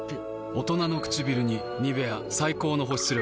大人の唇に「ニベア」最高の保湿力。